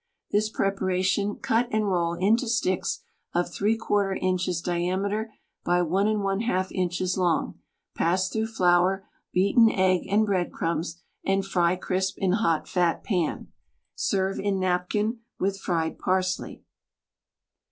This preparation cut and roll into sticks of J^ inches diameter hy lyi inches long, pass through flour, beaten egg and bread crumbs, and fry crisp in hot fat pan. Serve in napkin with fried parsley.